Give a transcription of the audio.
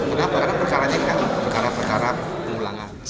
kenapa karena perkaranya ini kan perkara perkara pengulangan